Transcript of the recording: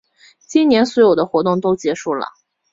今年所有的活动都结束啦